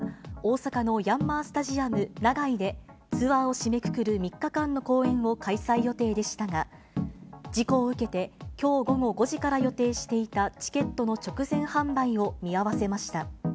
’ｚは、デビュー日でもあるあさって２１日から、大阪のヤンマースタジアム長居で、ツアーを締めくくる３日間の公演を開催予定でしたが、事故を受けて、きょう午後５時から予定していたチケットの直前販売を見合わせました。